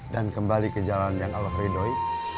dan kembali ke jalan yang allah ridhoi